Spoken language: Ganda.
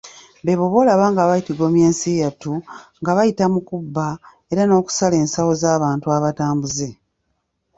Beebo b'olaba nga batigomya ensi yattu, nga bayita mu kubba era n'okusala ensawo z'abantu abatambuze.